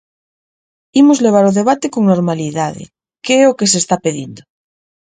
Imos levar o debate con normalidade, que é o que se está pedindo.